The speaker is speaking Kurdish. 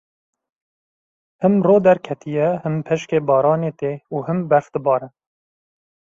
Him ro derketiye, him peşkê baranê tê û him berf dibare.